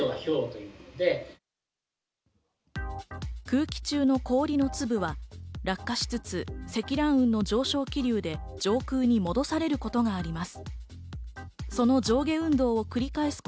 空気中の氷の粒は落下しつつ、積乱雲の上昇気流で上空に戻されることがあります。